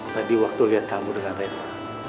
tadi waktu lihat kamu dengan reva